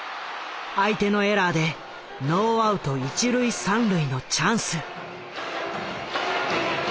相手のエラーでノーアウト一塁三塁のチャンス。